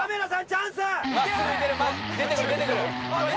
チャンス